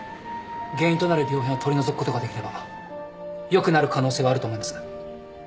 原因となる病変を取り除くことができれば良くなる可能性はあると思います。